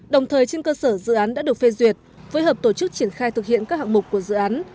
đồng thời trên cơ sở dự án đã được phê duyệt phối hợp tổ chức triển khai thực hiện các hạng mục của dự án